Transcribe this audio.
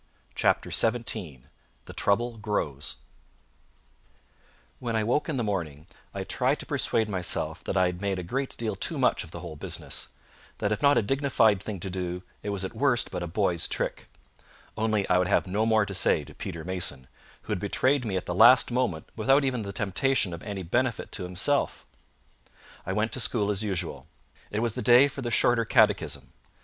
CHAPTER XVII The Trouble Grows When I woke in the morning, I tried to persuade myself that I had made a great deal too much of the whole business; that if not a dignified thing to do, it was at worst but a boy's trick; only I would have no more to say to Peter Mason, who had betrayed me at the last moment without even the temptation of any benefit to himself. I went to school as usual. It was the day for the Shorter Catechism.